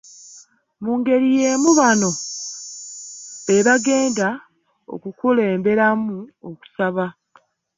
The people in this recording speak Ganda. Mu ngeri y'emu bano be bagenda okukulemberamu okusaba